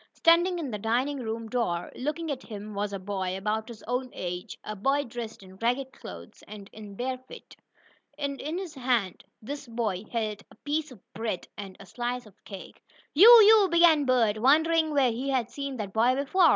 Standing in the dining room door, looking at him, was a boy, about his own age a boy dressed in ragged clothes, and in bare feet, and in his hand this boy held a piece of bread, and a slice of cake. "You you!" began Bert, wondering where he had seen that boy before.